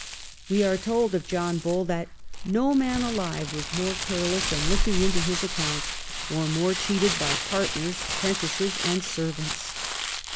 We are told of John Bull that ' No man alive was more careless in looking into his accounts, or more cheated by partners, apprentices, and servants.'